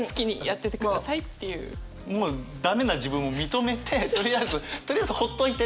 もはや駄目な自分も認めてとりあえずとりあえずほっといて。